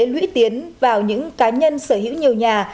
lũy tiến vào những cá nhân sở hữu nhiều nhà